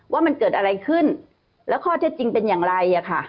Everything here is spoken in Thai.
ว่ามันเกิดอะไรขึ้นแล้วข้อเท็จจริงเป็นอย่างไร